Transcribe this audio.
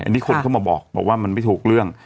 อันนี้คนเข้ามาบอกว่ามันไม่ถูกเรื่อง